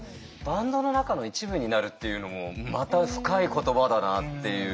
バンドの中の一部になるっていうのもまた深い言葉だなっていう。